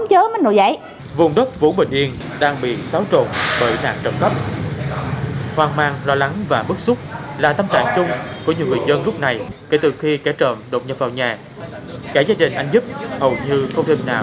cả gia đình anh giúp hầu như không thêm nào điên giấc